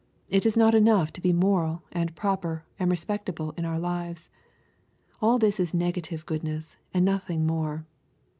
It is not enough to be moral, and proper, and respectable in our lives. All this is negative goodness, and nothing more.